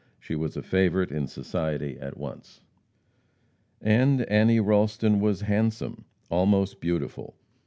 She was a favorite in society at once. And Annie Ralston was handsome almost beautiful.